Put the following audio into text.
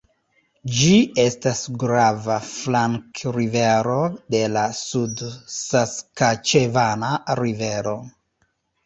Ĝi estas grava flankrivero de la Sud-Saskaĉevana rivero.